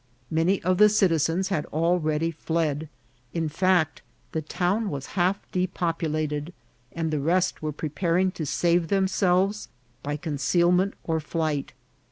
Many of the citizens had already fled ; in fact, the town was half depopulated, and the rest were pre paring to save themselves by concealment or flight.